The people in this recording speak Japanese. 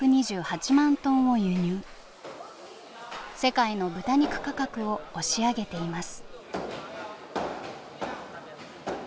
世界の豚肉価格を押し上げています。